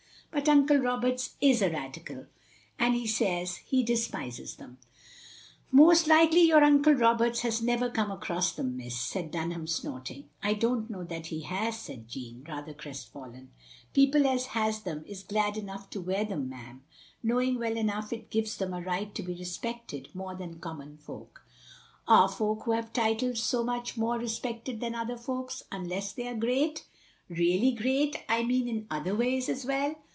But Uncle Roberts is a Radical, and he says he despises them. " "Most likely your tincle Roberts has never come across them, miss, " said Dunham, snorting. "I don't know that he has," said Jeanne, rather crestfallen. "People as has them, is glad enough to wear them, ma'am, knowing well enough it gives them a right to be respected more than common folk, " "Are folk who have titles so much more re spected than other folks — ^imless they are great — OP GROSVENOR SQUARE 1 1 1 really great I mean in other ways as well?"